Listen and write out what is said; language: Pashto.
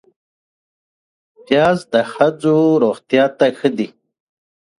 پیاز د ښځو روغتیا ته ښه دی